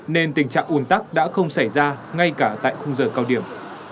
nên tình trạng ủn tắc đã không xảy ra ngay cả tại khung giờ cao điểm